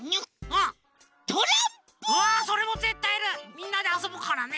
みんなであそぶからね。